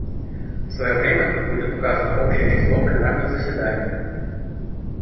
В свое время тут будет указано общее число пленарных заседаний.